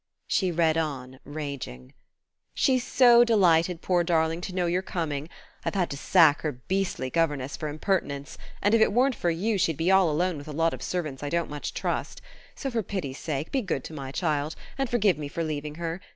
She read on, raging. "She's so delighted, poor darling, to know you're coming. I've had to sack her beastly governess for impertinence, and if it weren't for you she'd be all alone with a lot of servants I don't much trust. So for pity's sake be good to my child, and forgive me for leaving her.